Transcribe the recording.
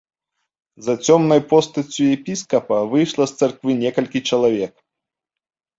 За цёмнай постаццю епіскапа выйшла з царквы некалькі чалавек.